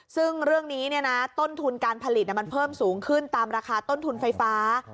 ซึ่งเรื่องนี้ต้นทุนการผลิตมันเพิ่มสูงขึ้นตามราคาต้นทุนไฟฟ้า